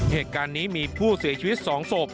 เหตุการณ์นี้มีผู้เสียชีวิต๒ศพ